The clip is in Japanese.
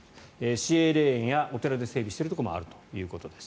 市営霊園やお寺で管理しているところもあるということです。